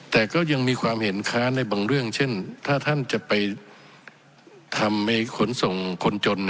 แต่ก็ยังมีความเห็นค้านในบางเรื่องเช่นถ้าท่านจะไปทำขนส่งคนจน